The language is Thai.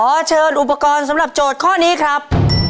เชิญอุปกรณ์สำหรับโจทย์ข้อนี้ครับ